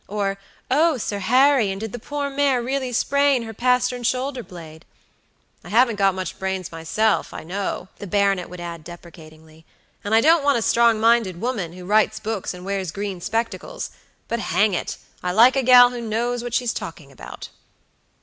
or 'Oh Sir Harry, and did the poor mare really sprain her pastern shoulder blade?' I haven't got much brains myself, I know," the baronet would add deprecatingly; "and I don't want a strong minded woman, who writes books and wears green spectacles; but, hang it! I like a gal who knows what she's talking about."